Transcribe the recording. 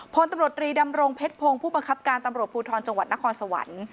พลตำรวจรีดำรงเพชรพงศ์ผู้บังคับการตำรวจภูทรจังหวัดนครสวรรค์